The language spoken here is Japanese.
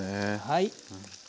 はい。